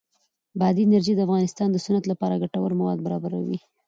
بادي انرژي د افغانستان د صنعت لپاره ګټور مواد برابروي.